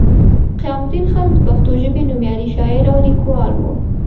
قیام الدین خادم د پښتو ژبې نومیالی شاعر او لیکوال وو